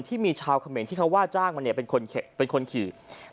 ที่มีชาวเขมรที่เขาว่าจ้างมาเนี่ยเป็นคนขี่